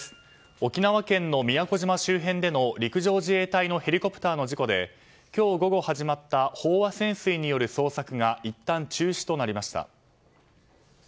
沖縄県の宮古島周辺での陸上自衛隊のヘリコプターの事故で今日午後、始まった飽和潜水による捜索がいったん中止になりました。